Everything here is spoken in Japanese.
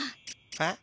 えっ？